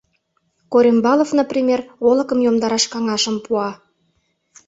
Корембалов, например, олыкым йомдараш каҥашым пуа.